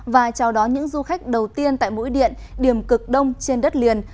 và chào đón những du khách đầu tiên tại mũi điện điểm cực đông trên đất liền